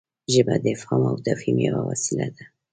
ژبه د افهام او تفهیم یوه وسیله ده.